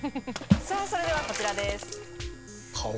それではこちらです。